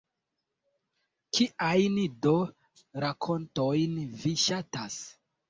Kiajn do rakontojn vi ŝatas?